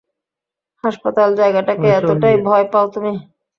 হাসপাতাল জায়গাটাকে এতোটাই ভয় পাও তুমি?